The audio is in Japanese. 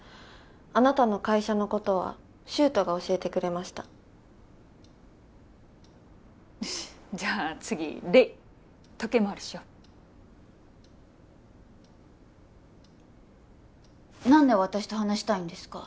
あなたの会社のことは柊人が教えてくれましたよしじゃあ次黎時計回りしよ何で私と話したいんですか？